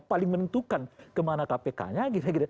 paling menentukan kemana kpknya gitu